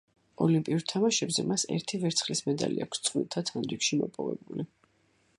ოლიმპიურ თამაშებზე, მას ერთი ვერცხლის მედალი აქვს წყვილთა თანრიგში მოპოვებული.